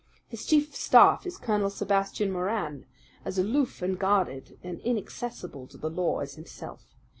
His chief of staff is Colonel Sebastian Moran, as aloof and guarded and inaccessible to the law as himself.